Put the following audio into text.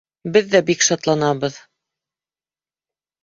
— Беҙ ҙә бик шатланабыҙ.